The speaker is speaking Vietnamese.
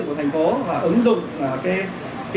của thành phố và ứng dụng